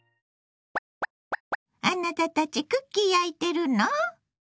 あなたたちクッキー焼いてるの？